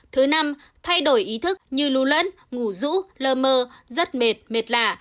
thứ năm thay đổi ý thức như lưu lẫn ngủ rũ lơ mơ rất mệt mệt lạ